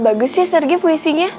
bagus ya sergei puisinya